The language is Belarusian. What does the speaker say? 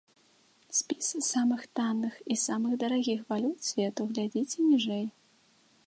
Спіс самых танных і самых дарагіх валют свету глядзіце ніжэй.